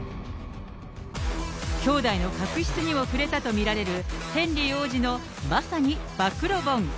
兄弟の確執にも触れたと見られるヘンリー王子のまさに暴露本。